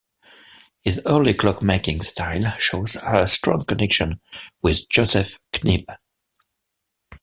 His early clockmaking style shows a strong connection with Joseph Knibb.